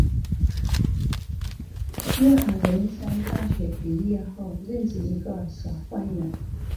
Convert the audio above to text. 内海文三大学毕业后任职一个小官员。